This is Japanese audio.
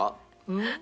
うん？